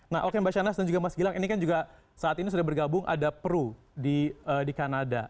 nah oke mbak channes dan juga mas gilang ini kan juga saat ini sudah bergabung ada peru di kanada